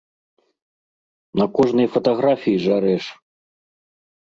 На кожнай фатаграфіі жарэш!